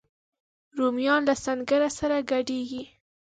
رومیان له سنګره سره ګډیږي